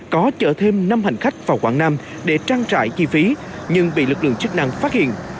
có chở thêm năm hành khách vào quảng nam để trang trải chi phí nhưng bị lực lượng chức năng phát hiện